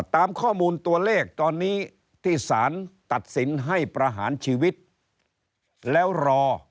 ตามข้อมูลตัวเลขตอนนี้ที่สารตัดสินให้ประหารชีวิตแล้วรอ